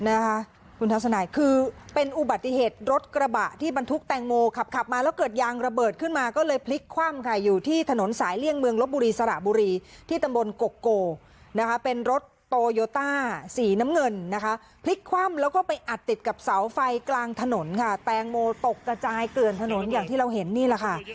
นะคะคุณทัศนายคือเป็นอุบัติเหตุรถกระบะที่บรรทุกแตงโมขับขับมาแล้วเกิดยางระเบิดขึ้นมาก็เลยพลิกคว่ำค่ะอยู่ที่ถนนสายเลี่ยงเมืองลบบุรีสระบุรีที่ตำบลกกโกนะคะเป็นรถโตโยต้าสีน้ำเงินนะคะพลิกคว่ำแล้วก็ไปอัดติดกับเสาไฟกลางถนนค่ะแตงโมตกกระจายเกลือนถนนอย่างที่เราเห็นนี่แหละค่ะ